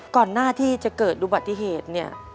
ก่อนหน้าที่จะเกิดอุบัติเหตุเนี่ย